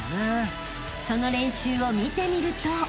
［その練習を見てみると］